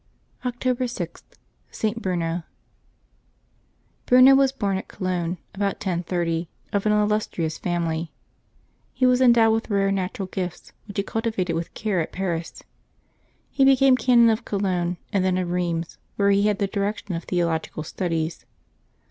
October 6.— ST. BRUNO. ©RUNG was born at Cologne, about 1030, of an illus trious family. He was endowed with rare natural gifts, which he cultivated with care at Paris. He became canon of Cologne, and then of Eheims, where he had the direction of theological studies.